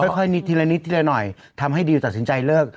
ค่อยนิดทีละนิดทีละหน่อยทำให้ดิวตัดสินใจเลิก